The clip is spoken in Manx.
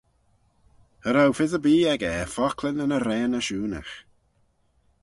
Cha row fys erbee echey er fockleyn yn arrane ashoonagh.